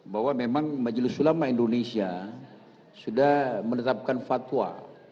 bahwa memang majelis ulama indonesia sudah menetapkan fatwa